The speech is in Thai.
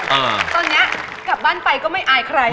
ตอนเนี้ยกลับบ้านไปก็ไม่อายใคร